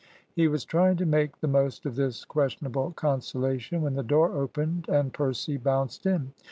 He was trying to make the most of this questionable consolation when the door opened, and Percy bounced in.